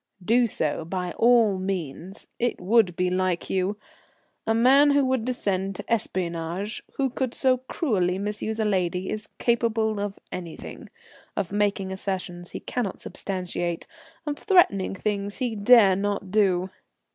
"Do so by all means. It would be like you. A man who would descend to espionage, who could so cruelly misuse a lady, is capable of anything; of making assertions he cannot substantiate, of threatening things he dare not do."